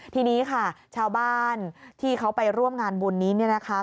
ทีนี้ค่ะชาวบ้านที่เขาไปร่วมงานบุญนี้เนี่ยนะคะ